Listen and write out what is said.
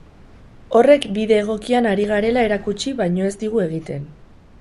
Horrek bide egokian ari garela erakutsi baino ez digu egiten.